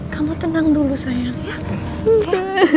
kamu tenang dulu sayang ya